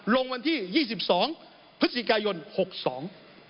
ลงมาที่๒๒พฤศจิกายน๖๒